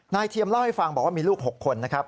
เทียมเล่าให้ฟังบอกว่ามีลูก๖คนนะครับ